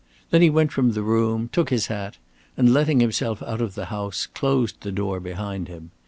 Then he went from the room, took his hat, and letting himself out of the house closed the door behind him.